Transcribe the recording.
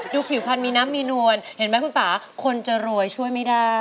ผิวพันธุมีน้ำมีนวลเห็นไหมคุณป่าคนจะรวยช่วยไม่ได้